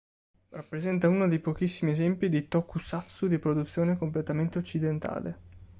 Rappresenta uno dei pochissimi esempi di Tokusatsu di produzione completamente occidentale.